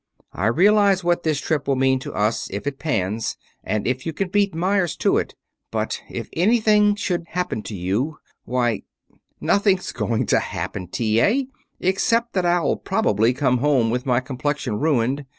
I realize what this trip will mean to us, if it pans, and if you can beat Meyers to it. But if anything should happen to you, why " "Nothing's going to happen, T. A., except that I'll probably come home with my complexion ruined.